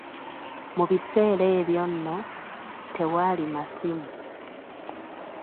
Mu biseera ebyo nno, tewaali masimu.